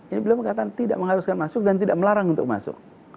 ini beliau mengatakan tidak mengharuskan masuk dan tidak melarang untuk masuk